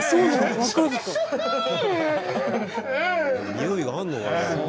においがあんのかな？